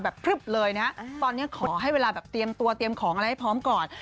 แบบเตรียมตัวเตรียมของอะไรให้พร้อมก่อน